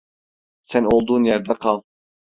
Sen olduğun yerde kal.